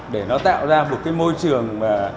để nó tạo ra một cái môi trường